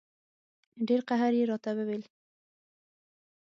ډېر قهر یې راته وویل.